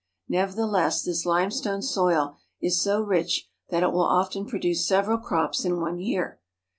Nevertheless, this limestone soil is so rich that it will often produce several crops in one year.